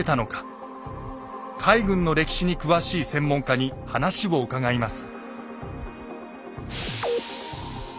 海軍の歴史に詳しい専門家に話を伺います。